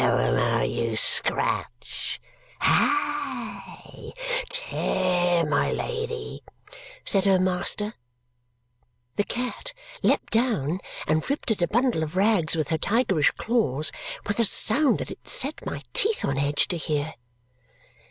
Show 'em how you scratch. Hi! Tear, my lady!" said her master. The cat leaped down and ripped at a bundle of rags with her tigerish claws, with a sound that it set my teeth on edge to hear.